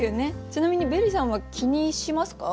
ちなみにベリさんは気にしますか？